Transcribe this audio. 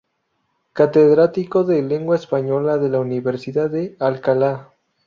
Catedrático de Lengua Española de la Universidad de Alcalá.